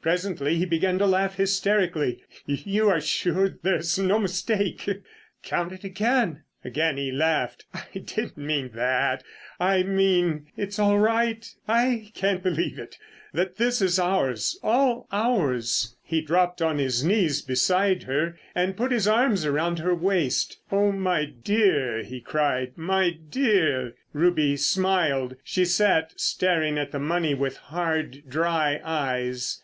Presently he began to laugh hysterically. "You are sure there's no mistake?" "Count it again." Again he laughed. "I didn't mean that—I mean, it's all right—I can't believe it—that this is ours—all ours." He dropped on to his knees beside her and put his arms around her waist. "Oh, my dear!" he cried, "my dear!" Ruby smiled. She sat staring at the money with hard, dry eyes.